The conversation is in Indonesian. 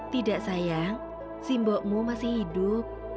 tidak sayang simbokmu masih hidup